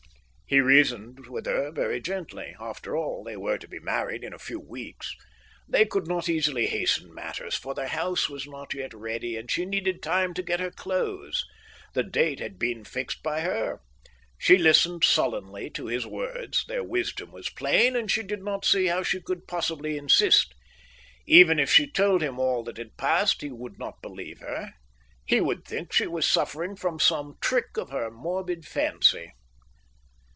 He reasoned with her very gently. After all, they were to be married in a few weeks. They could not easily hasten matters, for their house was not yet ready, and she needed time to get her clothes. The date had been fixed by her. She listened sullenly to his words. Their wisdom was plain, and she did not see how she could possibly insist. Even if she told him all that had passed he would not believe her; he would think she was suffering from some trick of her morbid fancy.